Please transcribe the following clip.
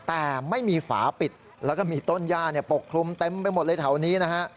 แต่ไม่มีฝาปิดแล้วก็มีต้นย่าปกคลุมเต็มไปหมดเลยแถวนี้นะฮะ